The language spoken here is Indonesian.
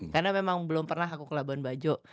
karena memang belum pernah aku ke labuan bajo